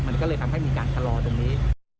มันก็เลยทำให้มีการชะลอตรงนี้